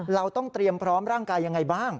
เราต้องเตรียมพร้อมร่างกายยังไงบ้าง